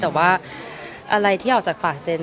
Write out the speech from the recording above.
แต่ว่าอะไรที่ออกจากปากเจน